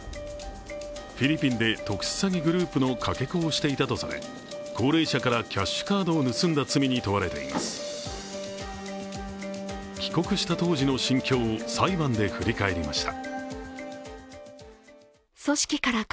フィリピンで特殊詐欺グループのかけ子をしていたとされ、高齢者からキャッシュカードを盗んだ罪に問われています帰国した当時の心境を裁判で振り返りました。